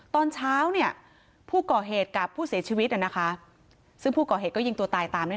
ตอนเช้าเนี่ยผู้ก่อเหตุกับผู้เสียชีวิตซึ่งผู้ก่อเหตุก็ยิงตัวตายตามด้วย